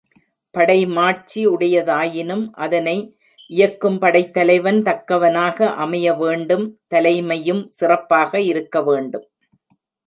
படைமாட்சி உடையதாயினும் அதனை இயக்கும் படைத் தலைவன் தக்கவனாக அமைய வேண்டும் தலைமையும் சிறப்பாக இருக்க வேண்டும்.